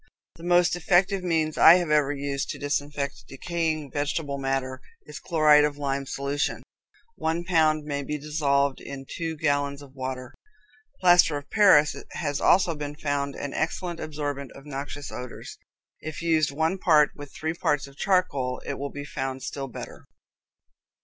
The most effective means I have ever used to disinfect decaying vegetable matter is chloride of lime in solution. One pound may be dissolved in two gallons of water. Plaster of Paris has also been found an excellent absorbent of noxious odors. If used one part with three parts of charcoal, it will be found still better.